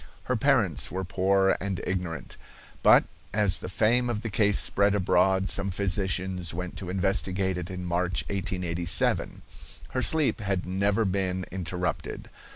Her parents were poor and ignorant, but, as the fame of the case spread abroad, some physicians went to investigate it in March, 1887. Her sleep had never been interrupted.